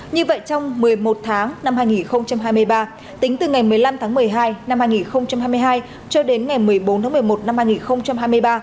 như vậy trong một mươi một tháng năm hai nghìn hai mươi ba tính từ ngày một mươi năm tháng một mươi hai năm hai nghìn hai mươi hai cho đến ngày một mươi bốn tháng một mươi một năm hai nghìn hai mươi ba